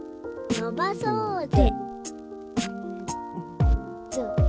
「のばそーぜ」